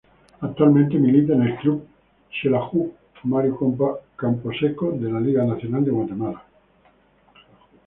Actualmente milita en el club Xelajú Mario Camposeco de la Liga Nacional de Guatemala.